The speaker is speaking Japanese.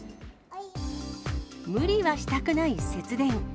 無理はしたくない節電。